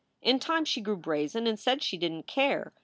In time she grew brazen and said she didn t care.